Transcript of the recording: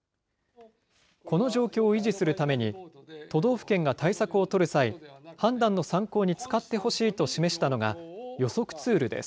この状況を維持するために、都道府県が対策を取る際、判断の参考に使ってほしいと示したのが予測ツールです。